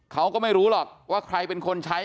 เขาก็ไม่รู้หรอกว่าใครเป็นคนใช้